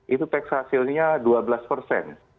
itu tax hasilnya dua belas persen